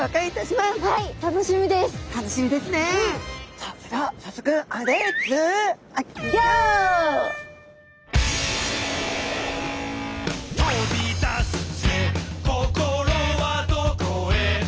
さあそれでは早速「飛び出すぜ心はどこへ」